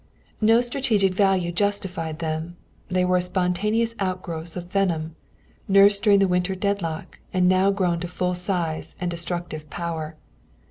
No strategic value justified them. They were spontaneous outgrowths of venom, nursed during the winter deadlock and now grown to full size and destructive power.